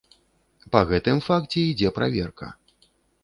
Па гэтым факце ідзе праверка.